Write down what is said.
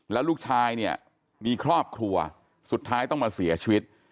แล้วลูกชายเนี่ยมีครอบครัวสุดท้ายต้องมาเสียชีวิต